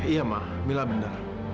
iya ma mila benar